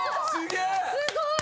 すごい！